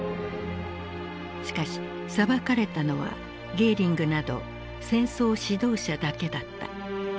しかし裁かれたのはゲーリングなど戦争指導者だけだった。